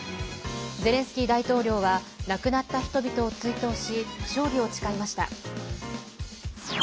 ゼレンスキー大統領は亡くなった人々を追悼し勝利を誓いました。